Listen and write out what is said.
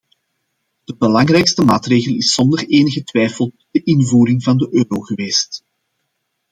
De belangrijkste maatregel is zonder enige twijfel de invoering van de euro geweest.